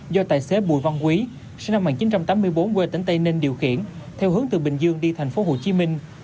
do tài xế bùi văn quý sinh năm một nghìn chín trăm tám mươi bốn quê tỉnh tây ninh điều khiển theo hướng từ bình dương đi thành phố hồ chí minh